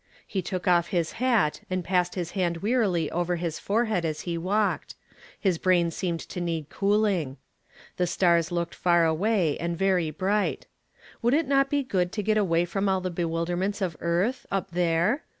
lie took off his hat, and passed his hand weai'ily over his forehead as he walked ; his brain seemed to need cooling. The stai s looked far away and very bright. Would it not be good to get away from all the bewilderments of earth, up there?